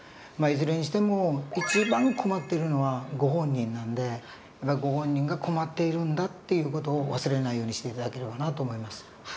まあいずれにしても一番困っているのはご本人なんでやっぱりご本人が困っているんだっていう事を忘れないようにして頂ければなと思います。